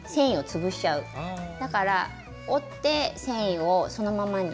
だから折って繊維をそのままにして。